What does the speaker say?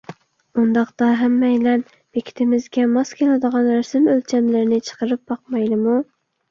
ئۇنداقتا ھەممەيلەن بېكىتىمىزگە ماس كېلىدىغان رەسىم ئۆلچەملىرىنى چىقىرىپ باقمايلىمۇ؟